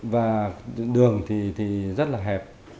và đường thì rất là hẹp